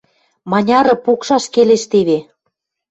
Маняры пукшаш келеш теве...